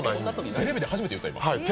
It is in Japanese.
テレビで初めて言った？